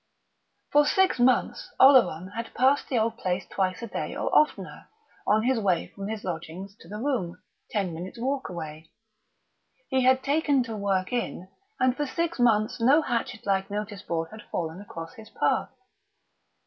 For six months Oleron had passed the old place twice a day or oftener, on his way from his lodgings to the room, ten minutes' walk away, he had taken to work in; and for six months no hatchet like notice board had fallen across his path.